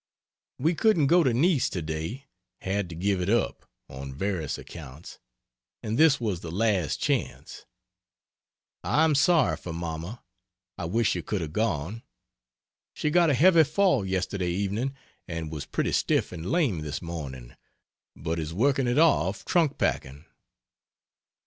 We couldn't go to Nice to day had to give it up, on various accounts and this was the last chance. I am sorry for Mamma I wish she could have gone. She got a heavy fall yesterday evening and was pretty stiff and lame this morning, but is working it off trunk packing.